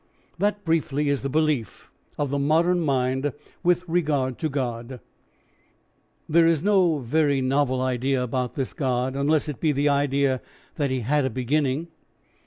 That briefly is the belief of the modern mind with regard to God. There is no very novel idea about this God, unless it be the idea that he had a beginning.